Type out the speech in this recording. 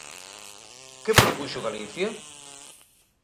¿Que propuxo Galicia?